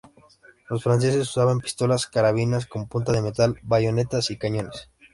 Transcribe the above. Los franceses usaban pistolas, carabinas con punta de metal, bayonetas y cañones.